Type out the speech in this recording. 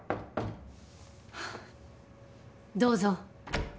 どうぞ。